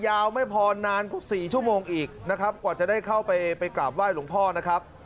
ยาวไม่พอนานกว่า๔ชั่วโมงอีกนะครับกว่าจะได้เข้าไปไปกราบไห้หลวงพ่อนะครับ